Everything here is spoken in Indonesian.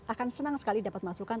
akan senang sekali dapat masukan